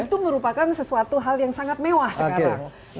itu merupakan sesuatu hal yang sangat mewah sekarang